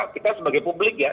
kita sebagai publik ya